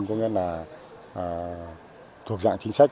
có nghĩa là thuộc dạng chính sách